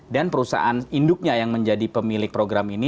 dan perusahaan induknya yang menjadi pemilik program ini